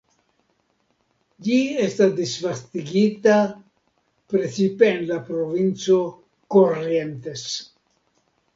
Ĝi esta disvastigita precipe en la provinco Corrientes.